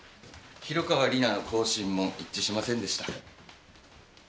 広川理奈の口唇紋一致しませんでした。